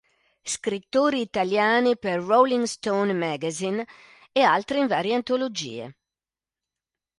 Scrittori italiani per Rolling Stone Magazine" e altri in varie antologie.